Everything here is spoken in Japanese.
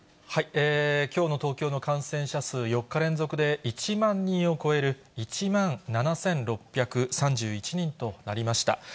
きょうの東京の感染者数、４日連続で１万人を超える、１万７６３１人となりました。